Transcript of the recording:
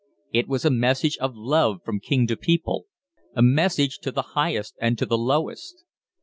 It was a message of love from King to people a message to the highest and to the lowest.